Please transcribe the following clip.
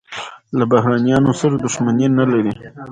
له بهرنیانو سره دښمني نه لري.